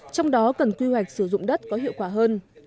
trong đó cần quy hoạch sử dụng đất có hiệu quả hơn